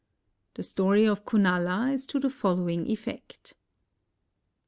The stor} of Kunala is to the following effect.